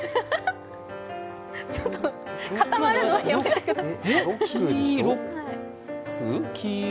ちょっと、固まるのやめてください。